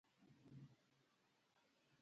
د قرارداد ډول شفاهي او تحریري کیدی شي.